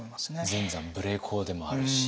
全山無礼講でもあるし。